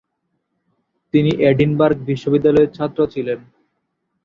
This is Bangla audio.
তিনি এডিনবার্গ বিশ্ববিদ্যালয়ের ছাত্র ছিলেন।